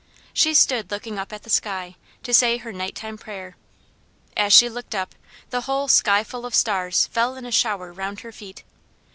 She stood looking up at the sky, to say her night time prayer. As she looked up, the whole skyful of stars fell in a shower round her feet.